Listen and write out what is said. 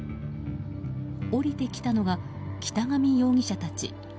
降りてきたのが北上容疑者たち。